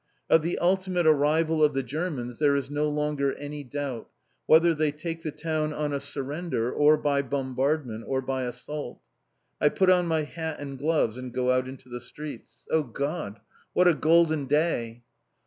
Of the ultimate arrival of the Germans there is no longer any doubt, whether they take the town on a surrender, or by bombardment, or by assault. I put on my hat and gloves, and go out into the streets. Oh, God! What a golden day!